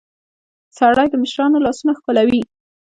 سړى د مشرانو لاسونه ښکلوي.